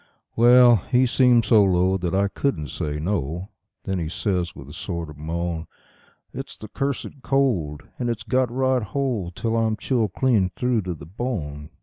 Well, he seemed so low that I couldn't say no; then he says with a sort of moan: "It's the cursed cold, and it's got right hold till I'm chilled clean through to the bone.